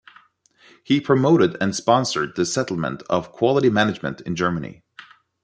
He promoted and sponsored the settlement of quality management in Germany.